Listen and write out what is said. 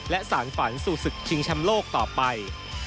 และสารฝันสู่ศึกชิงแชมป์โลกต่อไป